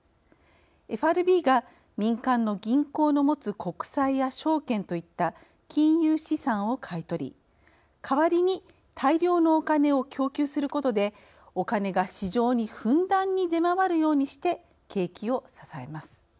ＦＲＢが民間の銀行の持つ国債や証券といった金融資産を買い取り代わりに大量のおカネを供給することでおカネが市場にふんだんに出回るようにして景気を支えます。